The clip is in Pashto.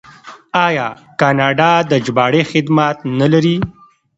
آیا کاناډا د ژباړې خدمات نلري؟